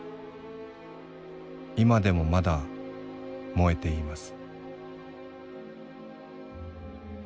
今でもまだ燃えてゐます」。